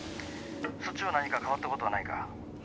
☎そっちは何か変わったことはないか？